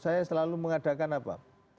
saya selalu mengadakan apa